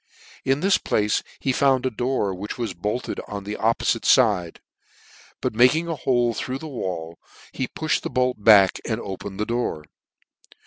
In this place he found a door which was bolted on the oppofite fide : but making a hole through the wall, he puftied the bolt back, and: opened the door.